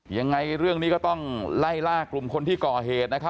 ยังไงเรื่องนี้ก็ต้องไล่ล่ากลุ่มคนที่ก่อเหตุ